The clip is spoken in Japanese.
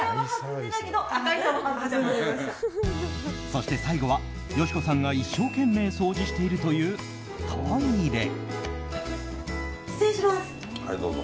そして、最後は佳子さんが一生懸命掃除しているというトイレ。